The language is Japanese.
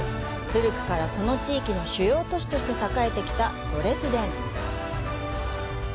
古くからこの地域の主要都市として栄えてきたドレスデン。